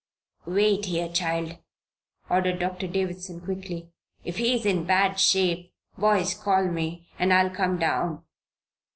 "Wait here, child," ordered Doctor Davison, quickly. "If he is in bad shape, boys, call me and I'll come down.